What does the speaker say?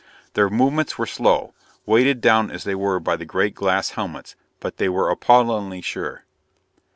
Their movements were slow, weighted down as they were by the great glass helmets, but they were appallingly sure.